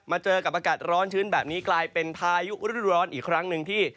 เจอกับอากาศร้อนชื้นแบบนี้กลายเป็นพายุฤดูร้อนอีกครั้งหนึ่งที่